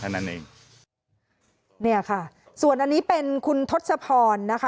นี่ค่ะส่วนอันนี้เป็นคุณทศพร